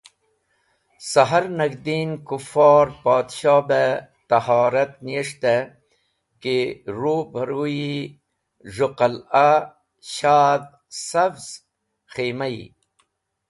Sahar nag̃hdin Kufor Podshoh beh tahorat niyes̃hte ki ru pẽ ruy-e z̃hũ qal’ah shadh savz khimayi.